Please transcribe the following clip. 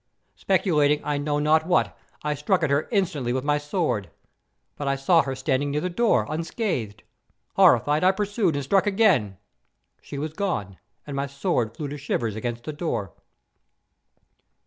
Speculating I know not what, I struck at her instantly with my sword; but I saw her standing near the door, unscathed. Horrified, I pursued, and struck again. She was gone; and my sword flew to shivers against the door.